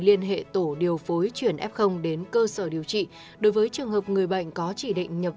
liên hệ tổ điều phối chuyển f đến cơ sở điều trị đối với trường hợp người bệnh có chỉ định nhập